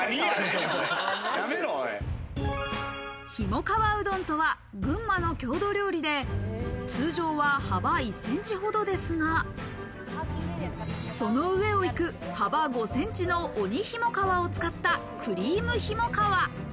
ひも川うどんとは群馬の郷土料理で、通常は幅１センチほどですがその上を行く幅５センチの鬼ひも川を使ったクリームひも川。